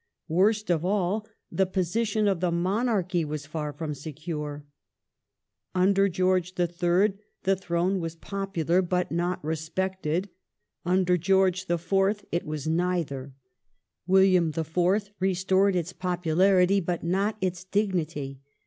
Worst of all : the position of the monarchy was far from secure. Under George III. the thixyie was popular but not respected; under George IV. it < was neither ; William IV. " restored its popularity but not its dignity